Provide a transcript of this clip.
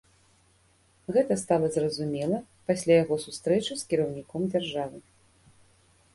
Гэта стала зразумела пасля яго сустрэчы з кіраўніком дзяржавы.